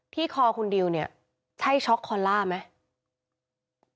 ที่คอคุณดิวใช่ช็อกคอนล่าไหม